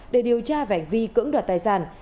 để điều tra vẻnh vi cưỡng đoạt tài sản